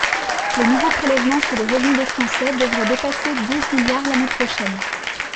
Les nouveaux prélèvements sur les revenus des Français devraient dépasser douze milliards l’année prochaine.